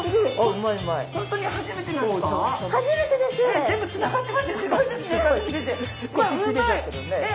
うまい！